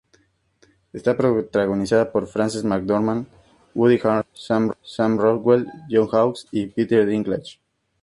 Está protagonizada por Frances McDormand, Woody Harrelson, Sam Rockwell, John Hawkes y Peter Dinklage.